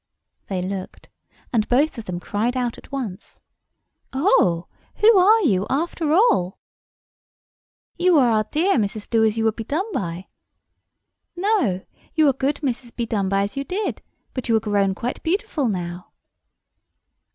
They looked—and both of them cried out at once, "Oh, who are you, after all?" "You are our dear Mrs. Doasyouwouldbedoneby." "No, you are good Mrs. Bedonebyasyoudid; but you are grown quite beautiful now!"